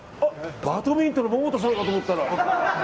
バドミントンの桃田さんかと思った。